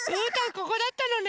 ここだったのね。